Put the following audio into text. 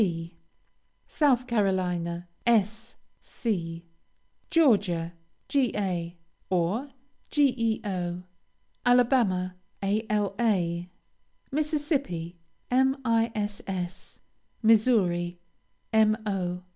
C. South Carolina, S. C. Georgia, Ga., or, Geo. Alabama, Ala. Mississippi, Miss. Missouri, Mo.